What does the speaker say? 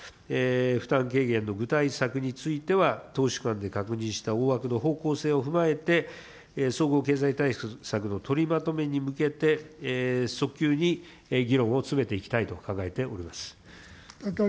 負担軽減の具体策については、党首間で確認した大枠の方向性を踏まえて、総合経済対策の取りまとめに向けて、即急に議論を詰めていきたいと考えております。